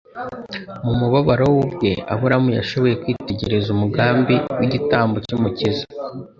Mu mubabaro we ubwe, Aburahamu yashoboye kwitegereza umugambi w'igitambo cy'Umukiza,